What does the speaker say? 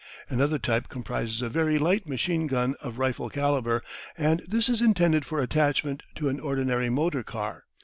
Another type comprises a very light machine gun of rifle calibre, and this is intended for attachment to an ordinary motor car.